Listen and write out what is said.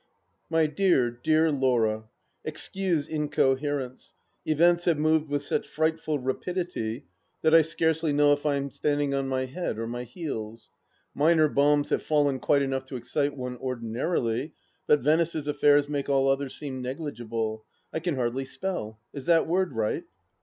My dear, dear Laura, — Excuse incoherence ; events have moved with such frightful rapidity that I scarcely know if I am standing on my head or my heels. Minor bombs have fallen quite enough to excite one ordinarily, but Venice's affairs make all others seem negligible. I can hardly spell. Is that word right